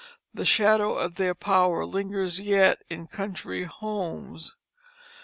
The shadow of their power lingers yet in country homes.